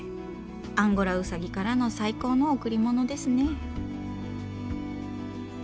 アンゴラウサギからの最高の贈り物ですね。